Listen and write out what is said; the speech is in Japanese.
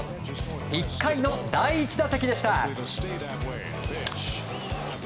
１回の第１打席でした。